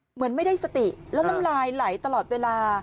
เหมือนไม่ได้สติแล้วน้ำลายไหลตลอดเวลา